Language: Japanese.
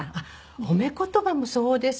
褒め言葉もそうですね。